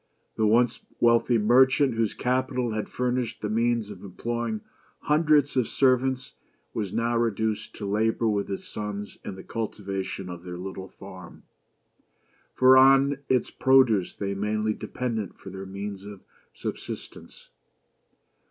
The once wealthy merchant, whose capital had furnished the means of employing hundreds of servants, was now reduced to labor with his sons in the cultivation of their little farm, for on its produce they mainly depended for their means of subsistence.